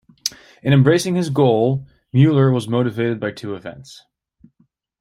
In embracing this goal, Müller was motivated by two events.